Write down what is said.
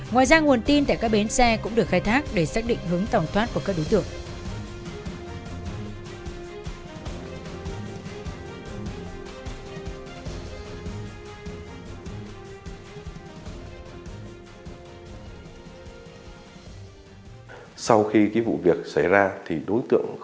ngoài ra nguồn tin tại các bến xe cũng được khai thác để xác định hướng tòng thoát của các đối tượng